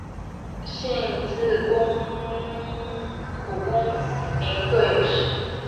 信自古功名各有时。